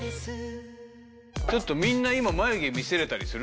ちょっとみんな今眉毛見せれたりする？